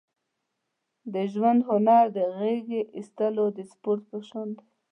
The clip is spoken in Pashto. د ژوند هنر د غېږې اېستلو د سپورت په شان دی.